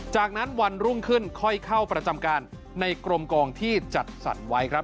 จากนั้นวันรุ่งขึ้นค่อยเข้าประจำการในกรมกองที่จัดสรรไว้ครับ